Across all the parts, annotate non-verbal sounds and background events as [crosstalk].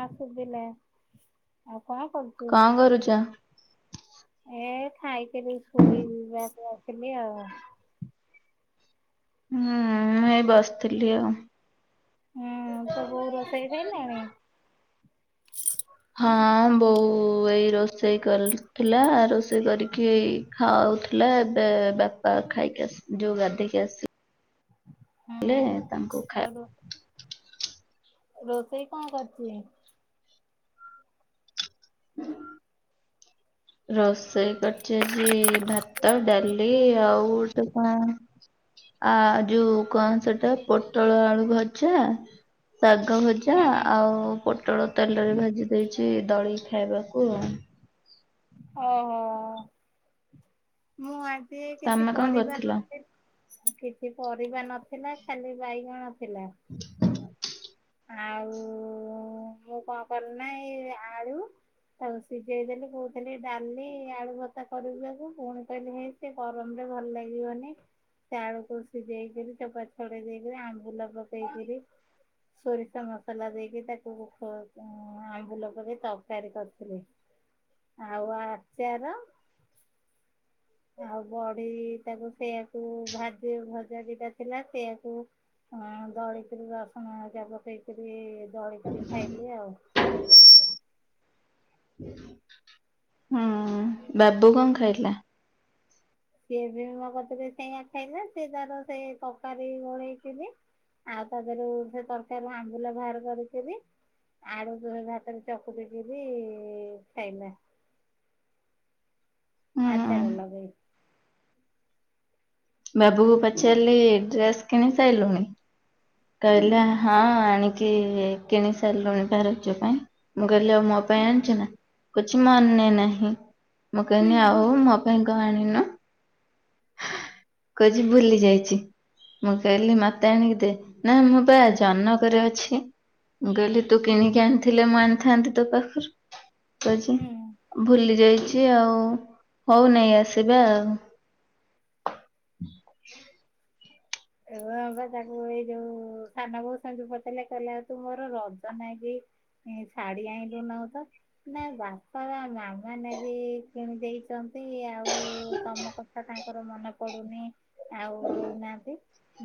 ଆ ସୁବିଲେ ଆଉ। କଣ କରୁଛୁ? କଣ କରୁଛ। ଏ ଖାଇକିରି ଶୋଇବାକୁ ଆସିଲି ଆଉ। ହୁଁ ହ ବସ୍ ଥିଲି ଆଉ। ହୁଁ ତ ବୋଉ ରୋଷେଇ ସାଇଲେଣି। ହଁ ବୋଉ ଏଇ ରୋଷେଇ କରିଥିଲା ରୋଷେଇ କରିକି ଏଇ ଖାଉଥିଲା। ଏବେ ବାପା ଖାଇକିସି ଯୋଉ ଗାଧେଇକି ଆସି ହୁଁ ହେଲେ ତାଙ୍କୁ ଆଉ ଖାଇ ରୋ ରୋଷେଇ କଣ କରିଛି। ହୁଁ। ରୋଷେଇ କରଚି ଆଜି ଭାତ ଡାଲି ରୋ ଆଉ ଗୋଟେ କଣ। ଆ ଯୋଉ କଣ ସେଟା ପୋଟଳ ଆଳୁ ଭଜା। ଶାଗ ଭଜା ହୁଁ ଆଉ ପୋଟଳ ତେଲରେ ଭାଜି ଦେଇଛି। ଦଳୀ ଖାଇବାକୁ ଓହୋ ମୁଁ ଆ ସିଏ କିଛି ତମେ କଣ ପରିବା କରିଥିଲ? ନଥି କିଛି ପରିବା ନଥିଲା ଖାଲି ବାଇଗଣ ଥିଲା। ଆଉ ମୁଁ କଣ କଲି ନା ଏଇ ଆଳୁ ତାକୁ ସିଝେଇ ଦେଲି ବଉ ଖାଲି ଡାଲି ଆଳୁ ଭର୍ତା କରିବାକୁ ପୁଣି କହିଲି ହେଇ ସେ ଗରମରେ ଭଲ ଲାଗିବନି ସେ ଆଳୁକୁ ସିଝେଇକରି ଚୋପା ଛଡେଇ ଦେଇକରି ଆମ୍ବୁଲ ପକେଇକରି ସୋରିଷ ମସଲା ଦେଇକି ତାକୁ ଉଁ ଆମ୍ବୁଲ ପକେଇ ତରକାରୀ କରିଥିଲି। ଆଉ ଆ [unintelligible] ଆଉ ବଢି ତାକୁ ସେଆକୁ ଭାଜି ଭଜା ଦିଟା ଥିଲା ସେଆକୁ ହଁ ଦଳିକିରି ରସୁଣ ହରିକା ପକେଇକିରି ଦଳିକିରି ଖାଇଲି ଆଉ- ହଁ, ବାବୁ କଣ ଖାଇଲା? ସିଏ ବି ମୋ କତିରେ ସେଆ ଖାଇଲା ସିଏ ତାର ସେ ତରକାରୀ ଗୋଳେଇକିରି ଆଉ ତା ଦେହରୁ ସେ ତରକାରୀରୁ ଆମ୍ବୁଲା ବାହାର କରିକିରି ଆଳୁ ସେ ଭାତରେ ଚକୁଟିକିରି ଖାଇଲା ହୁଁ। ଆଚାର ଲଗେଇକି। ବାବୁ କୁ ପଚାରିଲି ଡ୍ରେସ କିଣି ସାରିଲୁଣି? କହିଲ ହୁଁ। ହଁ ଆଣି କି କିଣି ସାରିଲୁଣି [unintelligible] ପାଇଁ କହିଲି ମୋ ହୁଁ ପାଇଁ ଆଣିଛୁ ନା?? କିଛି ମାନେ ନାହିଁ। ମୁଁ ହୁଁ କହିନି ହୁଁ ଆଉ ମୋ ପାଇଁ କଣ ଆଣି କହୁଛି ଭୁଲି ଯାଇଛି, ମୁଁ କହିଲି ମୋତେ ଆଣିକି ଦେ ନା ମୁଁ ବା ଜନକରେ ଅଛି। ମୁଁ କହିଲି ତୁ ହୁଁ କିଣିକି ଆଣିଥିଲେ ମୁଁ ଆନ୍ ଥାନ୍ତି ତୋ ପାଖରୁ କହୁଛି ହୁଁ। ଭୁଲି ଯାଇ ଛି ଆଉ ହଉ ନେଇ ଆସିବା ଆଉ। ଏବେ ଏବେ ତାକୁ ଏଇ ଯୋଉ ସାନ ବୋଉ ସେମତି ପଚେଇଲେ କହିଲ ଆଉ ତୁ ମୋର ରଜ ନା କି ଶାଢୀ ଆଣିଲୁ ନାହୁଁ ତ ନା ବାପା ବା ମାମା ନାଗି କିଣି ଦେଇଚ ଏଇ ଆଉ ତମ କଥା ତାଙ୍କ ଙ୍କର ମନେ ପଡୁନି ଆଉ ଦଉନାହାନ୍ତି।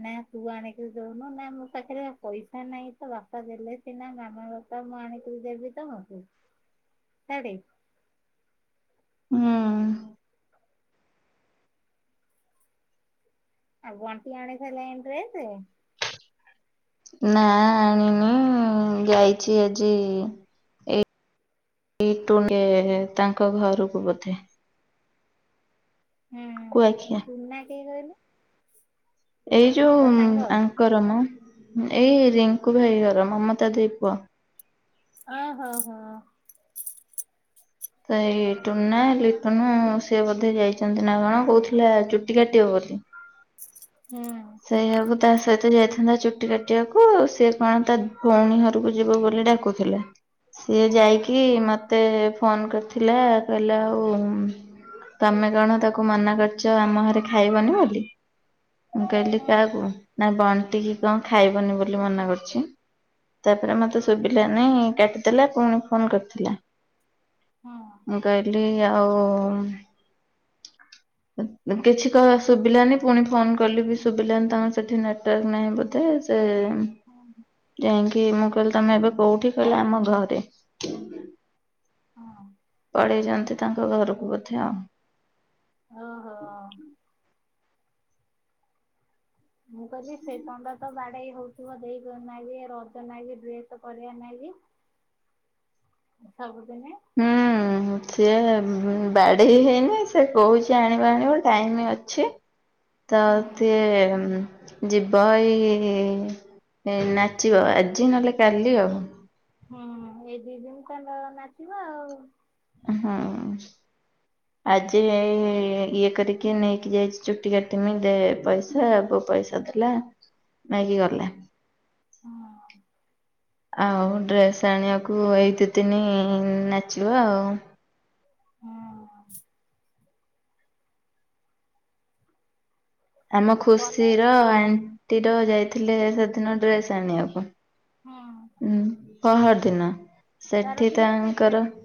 ନାଇଁ ଆ ତୁ ଆଣିକିରି ଦଉନୁ ନା ମୋ ପାଖରେ ବା ପଇସା ନାହିଁ ତ ବାପା ଦେଲେ ସିନା ମାମା ବାପା ମୁଁ ଆଣିକିରି ଦେବି ତମକୁ ସାଡେ ହୁଁ। ଆଉ ବଣ୍ଟି ଆଣିସାଇଲାଣି ଡ୍ରେସ। ନା ଆଣିନି ଯାଇଛି ଆଜି ଏ [unintelligible] ତାଙ୍କ ଘରକୁ ବୋଧେ ହୁଁ ଏ କୁଆଖିଆ ଟୁନା କିଏ କହିଲ? ଏଇ ଯୋଉ ସାଙ୍ଗ ଆଙ୍କର ମ' ଏଇ ରିଙ୍କୁ ଭାଇ ଘର ମମତା ଦେଇ ପୁଅ ଓ ହୋ ହୋ। ତ ଏଇ ଟୁନା ଲିଟୁନୁ ସେ ବୋଧେ ଯାଇଛନ୍ତି ନା କଣ କୋଉଥିଲା ଚୁଟି କାଟିବ ବୋଲି ହୁଁ। ସେଇଆକୁ ତା ସହିତ ଯାଇଥାନ୍ତା ଚୁଟି କାଟିବାକୁ ସିଏ କଣ ତା ଭଉଣୀ ଘରକୁ ଯିବ ବୋଲି ଡାକୁଥିଲା ସିଏ ଯାଇକି ହଁ। ମତେ ଫୋନ କରି ଥିଲା କହିଲା ଆଉ ତମେ କଣ ତାକୁ ମନା କରିଛ ଆମ ଘରେ ଖାଇବନି ବୋଲି। ମୁଁ କହିଲି ହଁ କାହାକୁ ନା ବଣ ଟିକେ କଣ ଖାଇବନି ବୋଲି ମନା କରିଛି ତାପରେ ମତେ ଶୁଭିଲା ନାହି କାଟିଦେଲା ପୁଣି ଫୋନ କରିଥିଲା। ହଁ। ମୁଁ କହିଲି ଆଉ କିଛି କ ଶୁଭିଲାନି ପୁଣି ଫୋନ କାଲି ବି ଶୁଭିଲାନି ତମର ସେଇଠି ନେଟୱାର୍କ ନାହିଁ ବୋଧେ ଆଉ ସେ ହଁ ହଁ ଯାାଇଙ୍କି କି ମୁଁ କହିଲି ତମେ ଏବେ କୋଉଠି କହିଲା ଆମ ଘରେ। ପରେଇ ଯାନ୍ତି ତା ଘରକୁ ବୋଧେ ଆଉ। ଓହୋ ଆଛା। ମୁଁ କହିଲି ସେ ଚଣ୍ଡ ତ ବାଡେଇ ହଉଥିବ ଦେଇଁ କି ରଜ ନାଗି କି ଡ୍ରେସ କରିବା ନାଗି ସବୁଦିନେ। ହୁଁ ସିଏ ଉ ବା ବାଡେଇ ହେଇନି ସେ କହୁଛି ଆଣିବା ଆଣିବ ଟାଇମ ଅଛି। ହୁଁ ତତେ ଯିବ ଏଇ ନାଚିବ ଆଜି ନହେଲେ କାଲି ଆଉ। ହୁଁ ଏଇ ଦି ଦିନ ତାଙ୍କ ନାଚିବ ଆଉ। ହୁଁ ଆଜି ଇଏ କରିକି ନେଇକି ଯାଇଛି ଚୁଟି କାଟିମି ପଇସା ଅଳ୍ପ ପଇସା ଥିଲା ନେଇକି ଗଲା। ହଁ। ଆଉ ଡ୍ରେସ ଆଣିବାକୁ ଏଇ ଦି ତିନି ନାଚିବ ଆଉ। ହଁ। ଆମ କଲର ଖୁସିର ଖୁସି ର ଯାଇଥିଲେ ସେଦିନ ଡ୍ରେସ୍ ଆଣିବାକୁ। ହଁ। ପହର ଦିନ। ତାର ସେଠି କି ଡ୍ରେସ ତାଙ୍କର ଆଣିଲୁ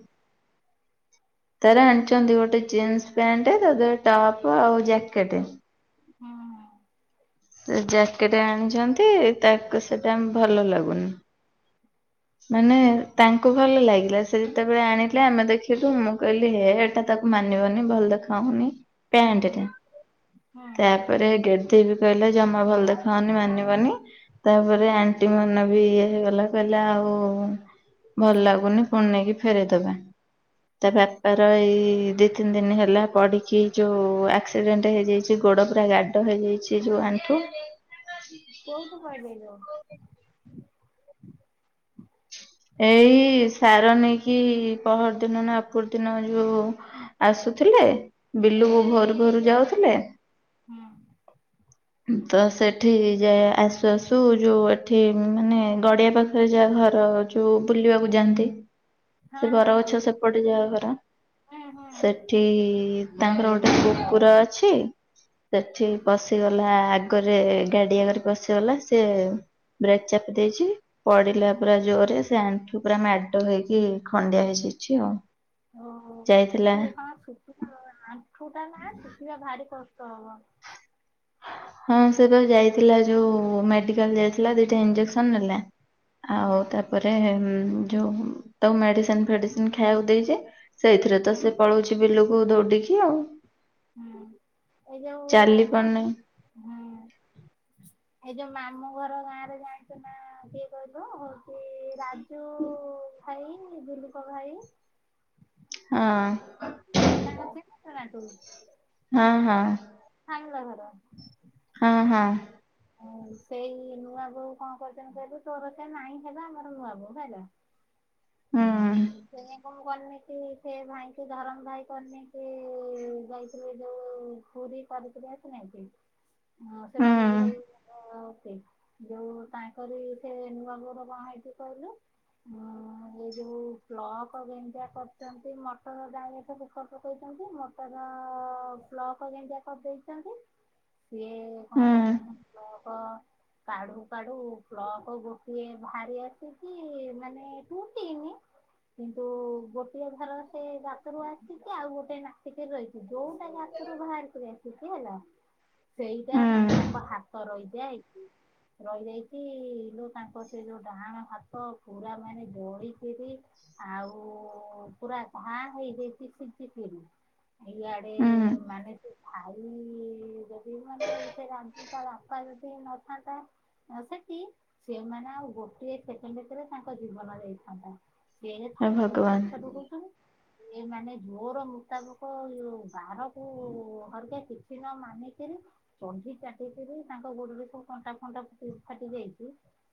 ତ ଆଣିଛନ୍ତି ଗୋଟେ ଜିନ୍ସ ପ୍ୟାଣ୍ଟ ତା ଦିରେ ଟପ୍ ଆଉ ଜ୍ୟାକେଟ। ହଁ ହଁ। ସେ ଜ୍ୟାକେଟ ଆଣିଛନ୍ତି ତାକୁ ସେଇଟା ଭଲ ଲାଗୁନି। ମାନେ ତାଙ୍କୁ ଭଲ ଲାଗିଲା ସେ ଯେତେବେଳେ ଆଣିଲେ ଆମେ ଦେଖିଲୁ ମୁଁ କହିଲି ହେ ଏଟା ତାକୁ ମାନିବନି ଭଲ ଦେଖାଉନି। ପ୍ୟାଣ୍ଟ ହୁଁ ଟା ହୁଁ ତାପରେ ଡ୍ରେ ଦିଦି କହିଲା ଜମା ଭଲ ଦେଖାଯାଉନି ମାନିବନି। ହୁଁ ତାପରେ ଆଣ୍ଟି ମନ୍ ବିଏ ହେଗଲା ପ ଆଉ। ଭଲ ଲାଗୁନି ପୁଣି ନେଇକି ଫେରେଇଦବା। ତା ହୁଁ ବାପାର ଏଇ ଦି ତିନି ଦିନ ହେଲା ପଡିକି ଯୋଉ ଆକ୍ସିଡେଣ୍ଟ ହେଇଯାଇଛି ଗୋଡ ପୁରା ଗାଡ ହେଇଯାଇଛି। ଏ ଯୋଉ ଆଣ୍ଠୁ। କୋଉଠୁ ପଇଲେ ଲୋ? ଏଇ ସାର ନେଇକି ପହରଦିନ ନା ଅପୁରୁଦିନ ଯୋଉ ଆସୁଥିଲେ। ବିଲୁକୁ ଭୋରୁ ଭୋରୁ ଯାଉ ଥିଲେ। ହଁ। ତ ସେଠି ଯାଏ ଆସୁ ଆସୁ ଯୋଉ ଏଠି ମାନେ ଗଡିଆ ପାଖରେ ଯାହା ଘର। ଯୋଉ ବୁଲିବାକୁ ଯାଆନ୍ତି। ହଁ ସେ ହଁ ହଁ ବରଗଛ ସେପଟେ ଯାହା ଘର। ହୁଁ ହୁଁ [unintelligible] ସେଠି। ତାଙ୍କର ଗୋଟେ କୁକୁର ଅଛି ସେଠି ପଶିଗଲା ଆଗରେ ଗାଡି ଆଗରେ ପସିିଗଲା ସେ ବ୍ରେକ ଚାପି ଦେଇଛି। ପଡିଲା ହୁଁ ପୁରା ଜୋରରେ। ସେ ଆଣ୍ଠୁ ପୁରା ମାଡ ହେଇକି ଖଣ୍ଡିଆ ହେଇଯାଇଛି ଆଉ। ଓହୋ ଯାଇଥିଲା ସେ କଣ ଶୁଖିଥିବ ଆଣ୍ଠୁଟା ନା ଶୁଖିବା ଭାରି କ ଷ୍ଟ ହବ। ହଁ ସେ ତ ଯାଇଥିଲା ଯୋଉ ମେଡିକାଲ ଯାଇଥିଲା ଦିଟା ଇଞ୍ଜେକ୍ସନ ନେଲା। ହୁଁ ଆଉ ତାପରେ ଉଁ ଯୋଉ ତାକୁ ମେଡିସିନ ଫେଡିସିନ ଖାଇଆକୁ ଦେଇଛି। ସେଇଥିରେ ତ ହୁଁ ସେ ପଳଉଛିି ବିଲୁ କୁ ଦୌଉଡିକି ଆଉ। ହୁଁ। ଯୋଉ ଚାଲି ମା ପାରୁନି ହୁଁ। ଏଇ ଯୋଉ ମାମୁଁ ଘର ଗାଁରେ ଜାଣିଛୁ ନା କିଏ କହିଲୁ ହଉଛି ରା ଯୋଉ ଭାଇ ଦିଲ୍ଲୀପ ଭାଇ। ହଁ। ତାଙ୍କ ସେ ନା ତା [unintelligible] ହଁ ହଁ। ଭଲ ଘର। ହଁ ହଁ। ଉଁ ସେଇ ନୂଆ ବୋଉ କଣ କରିଛନ୍ତି କହିଲୁ ତୋର ସେ ମାଇଁ ହେବେ ଆମର ନୂଆ ବୋଉ ହେଲା। ହୁଁ ହଁ ସେ [unintelligible] କରିନି କି ସେ ଭାଇ କୁ ଧରମ ଭାଇ କରିନି କି ଯାଇଥିଲେ ଯୋଉ ପୁରୀ କରିକିରି ଆସି ନାହାନ୍ତି କି ହଁ ସେ ହୁଁ ବାବାଜୀ ଇାଇ ଆଉ ସେଇ ଯୋଉ ତାଙ୍କରି ସେ ନୂଆ ବୋହୁର କଣ ହେଇଚି କହିଲୁ ଅଁ ଏ ଯୋଉ ପ୍ଲକ ଯେମିତିଆ କରିଛନ୍ତି ମଟର ଡାଇରେକଟ୍ ଉପରକୁ ଦେଇଛନ୍ତି ମଟର ପ୍ଲକ ଯେମିତିଆ କରି ଦେଇଛନ୍ତି। ସେଇ କଣ ହୁଁ କରୁଛନ୍ତି ପ୍ଲକ୍ କାଢୁ କାଢୁ ପ୍ଲକ ଗୋଟିଏ ବାହାରି ଆସିକି ମାନେ ଟୁଟିନି କିନ୍ତୁ ଗୋଟିଏ ଘର ସେ ଗାତରୁ ଆସିଛିି ଆଉ ଗୋଟେ ନାଚିକିରି ରହିଛି ଯୋଉଟା ଗାତରୁ ବାହାରିକିରି ଆସି ଠିକ ହେଲା? ସେଇଟା ମାନେ ହୁଁ। ତାଙ୍କ ହାତ ରହିଯାଏ କି ରହିଯାଇଛି ଲ ତାଙ୍କ ସେ ଯୋଉ ଡାହାଣ ହାତ ପୁରା ମାନେ ଜଳିକିରି ଆଉ ପୁରା ଘା ହେଇଯାଇଛି ଫୁଟିକରି ହିଆଡେ ହୁଁ ମାନେ? ଆଉ [unintelligible] ତା ବାପା ଯଦି ନଥାନ୍ତା ସେଠି ସେମାନେ ଆଉ ଗୋଟିଏ ସେକେଣ୍ଡ ପରେ ତାଙ୍କ ଜୀବନ ଯାଇଥାନ୍ତା। ହେ ଭଗବାନ [unintelligible] ଏ ମାନେ ଜୋର ମୁତାବକ ଯୋଉ ବାର ହୁଁ ଘରିକ କିଛି ନ ମାନିକରି ଚଢି ଚାଟିକିରି ତାଙ୍କ ଗୋଡରେ ସବୁ କଣ୍ଟା ଫଣ୍ଟା ଫାଟି ଯାଇଛି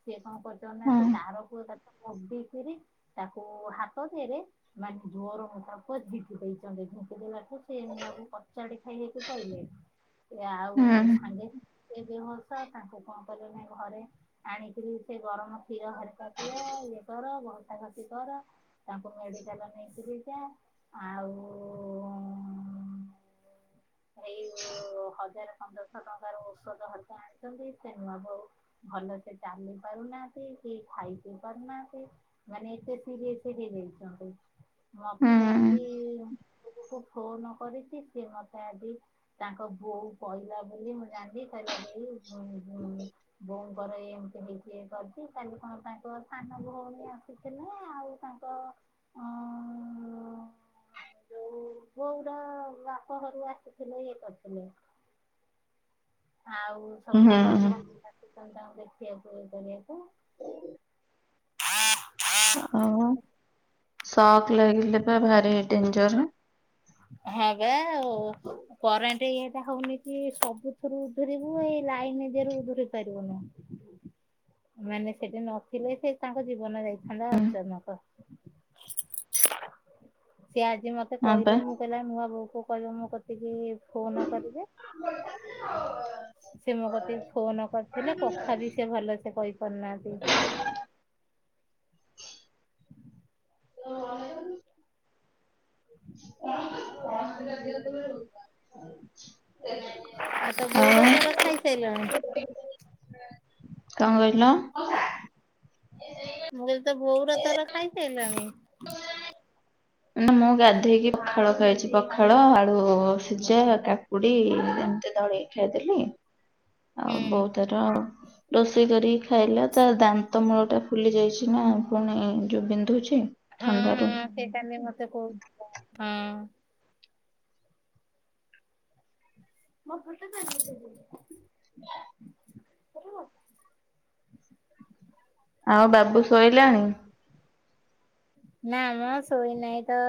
ସେ କଣ କରିଛନ୍ତି ନା ସେ ହଁ ତାର ପୁଅ ମଡିକରି ତାକୁ ହାତ ଦେରେ ମାନେ ଜୋର ମୁତାବକ ଝିଙ୍କି ଦେଇଛନ୍ତି ଝିଙ୍କି ଦେବାକୁ ସେ ନୂଆ ବୋହୁ କଚାଡି ସେ ହେତୁ କହିଲେ ଏ ଆଉ ହୁଁ ସାଙ୍ଗେ ଏବେହସ ତାଙ୍କୁ କଣ କଲେ ନା ଘରେ ଆଣିକିରି ସେ ଗରମ କ୍ଷୀର ହରକା ପିଆ ଇବର ବ କଫି କର ତାକୁ ପାଇଁ ଏବେ ଲ ନେଇକିରି ଯାଅ ଆଉ ଏଇ ହଁ ହଜାର ପନ୍ଦରଶହ ଟଙ୍କାର ଔଷଧ ହେରିକା ଆଣିଛନ୍ତି ସେ ନୂଆ ବୋହୁ ଭଲ ସେ ଚାଲି ପାରୁନାହାନ୍ତି କେହି ଖାଇ ପିଇ ପାରୁନାହାନ୍ତି ମାନେ ଏତେ ସିରିଏସ ହେଇଛନ୍ତି। ମତେ ଆଜି? ହୁଁ ଫୋନ କରିଛି ସିଏ ମତେ ଜି ତାଙ୍କ ବୋଉ କହିଲା ବୋଲି ମୁଁ ଜାଣିଲି କହିଲା ଦେଇ ହୁଁ ହୁଁ ବହୁ ଘରେ ଏମିତି ହେଇକି ଏ କରିଛି କାଲି କଣ ତାଙ୍କ ସାନ ଭଉଣୀ ଆସିଥିଲେ ଆଉ ତାଙ୍କ ଉ ଯୋଉ ବୋହୂର ବାପ ଘରୁ ଆସିଥିଲେ ଇଏ କରିଥିଲେ। ଆଉ ସବୁ ତାଙ୍କୁ ହୁଁ ବନ୍ଧୁବାନ୍ଧବ ଆସିଛନ୍ତି ତାକୁ ଦେ ପିଆ ପୁଇ କରିବାକୁ ଆଉ ଶକ୍ ଲାଗିଲ ବା ଭାରି ଡେଞ୍ଜର ହଁ ବା ଆଉ କରେଣ୍ଟ ଇଏଟା ହଉନି କି ସବୁଥିରୁ ଉଧୁରିବୁ ଏଇ ଲାଇନ ଦିହରୁ ଉଧୁରି ପାରିବୁନି ମାନେ ସେଠି ନଥିଲେ ସେ ତାଙ୍କ ଜୀବନ ଯାଇ ହେଲୋ ଅର୍ଚ୍ଚନା କହ। [inaudible] ସିଏ ଆଜି ମତେ ହଁ ବା କହିଲେ ମୁଁ ହେଲେ ନୂଆ ବୋଉ କୁ କହିବ ମୋ କତିକି ଫୋନ କରିବେ ସେ ମୋ କତିକି ଫୋନ କରିଥିଲେ କଥା ବି ସେ ଭଲ ସେ କହି ପାରୁନାହାନ୍ତି। [unintelligible] ହଁ ମ। ଆଉ ଆଉ ତୋ ବୋଉର କଣ ତୋର ଖାଇସାଇଲଣି? କହିଲ? ଏ ମୁଁ କିହିଲି ତୋ ବୋଉ ର ତୋର ଖାଇସାଇଲଣି? [unintelligible] ନେ ମୁଁ ଗା ଏହି ପଖାଳ ଖାଇଛି ପ ପଖାଳ ଆଳୁ ସିଝା କାକୁଡି ଏମିତି ଦଳିକି ଖାଇଦେଲି ହୁଁ ଆଉ ବୋଉ ତାର ରୋଷେଇ କରିକି ଖାଇଲା ତା ଦାନ୍ତ ମୂଳ ଟା ଫୁଲି ଯାଇଛି ନା ପୁଣି ଯୋଉ ବିନ୍ଧୁଛି। ହୁଁ ଥଣ୍ଡାରୁ ହୁଁ ସେଇଟା ବି ମତେ କହୁଥିଲ ହୁଁ। [inaudible] ଆଉ ବାବୁ ଶୋଇଲାଣି? ନା ମ ଶୋଇନାହିଁ ତ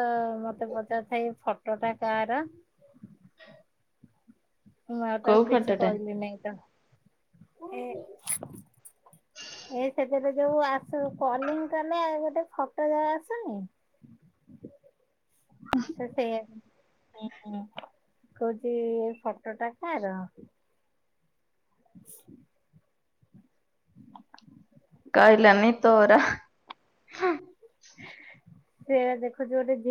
ମତେ ପଚାରୁଥାଏ, ଏଇ ଫଟୋ ଟା କାହାର? ମୁଁ ଆଉ କୋଉ ତାକୁ କିଛି ଫଟୋ ଟା କହିଲି ନାଇଁ ତାଙ୍କୁ ଏ ଏଇ ସେଥିରେ ଯୋଉ ଆସିବ କଲିଙ୍ଗ କଲେ ଆଉ ଗୋଟେ ଫଟୋ ଯୋଉ ଆସୁନି ସେ ସେଇ କହୁଛି ଏ ଫଟୋ ଟା କାର? [unintelligible] ଖାଇଲାନି ଏତେ ଗୋରା ସେୟା ଦେଖୁଛି ଗୋଟେ ଜୁ